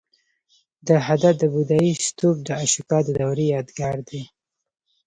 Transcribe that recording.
د هده د بودایي ستوپ د اشوکا د دورې یادګار دی